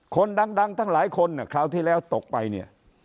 คนดังทั้งหลายคนคราวที่แล้วตกไปเนี่ย